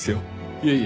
いえいえ。